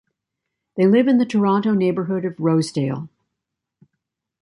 They live in the Toronto neighbourhood of Rosedale.